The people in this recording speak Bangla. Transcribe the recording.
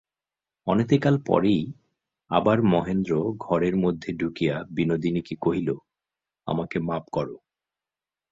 অনতিকাল পরেই আবার মহেন্দ্র ঘরের মধ্যে ঢুকিয়া বিনোদিনীকে কহিল, আমাকে মাপ করো।